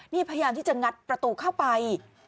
นี่พยายามที่จะงัดประตูเข้าไป